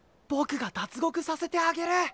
僕が脱獄させてあげる。